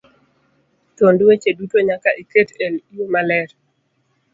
thuond weche duto nyaka iket eyo maler